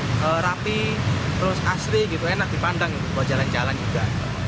di sini warna putih jadi kelihatan sangat rapi terus asli enak dipandang buat jalan jalan juga